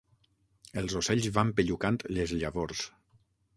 Els ocells van pellucant les llavors.